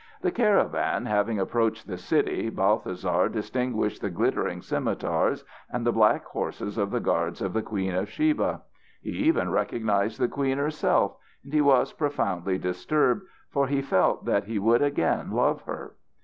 The caravan having approached the city, Balthasar distinguished the glittering scimitars and the black horses of the guards of the Queen of Sheba. He even recognised the queen herself, and he was profoundly disturbed, for he felt that he would again love her.